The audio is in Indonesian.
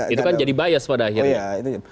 itu kan jadi bias pada akhirnya